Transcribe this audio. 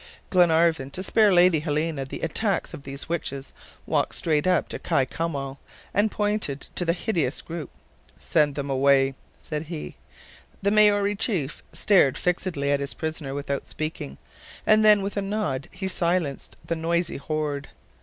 Glenarvan, to spare Lady Helena the attacks of these witches, walked straight up to Kai Koumou, and pointing to the hideous group: "Send them away," said he. The Maori chief stared fixedly at his prisoner without speaking; and then, with a nod, he silenced the noisy horde.